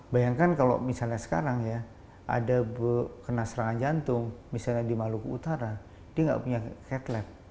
bayangkan kalau misalnya sekarang ya ada kena serangan jantung misalnya di maluku utara dia nggak punya cat lab